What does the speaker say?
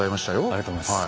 ありがとうございます。